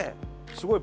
すごい。